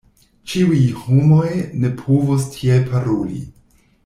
Ĉiuj homoj ne povus tiel paroli.